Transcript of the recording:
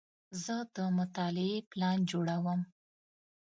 زه د مطالعې پلان جوړوم.